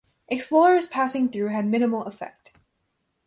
Explorers passing through had minimal effect.